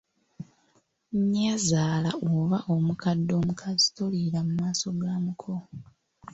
Nnyazaala oba omukadde omukazi toliira mu maaso ga muko.